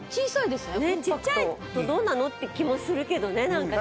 ちっちゃいとどうなの？って気もするけどねなんか。